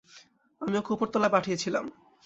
আমি ওকে ওপরতলায় পাঠিয়েছিলাম।